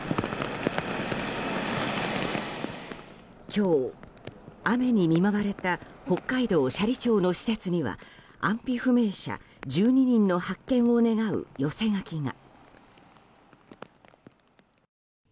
今日、雨に見舞われた北海道斜里町の施設には安否不明者１２人の発見を願う寄せ書きが。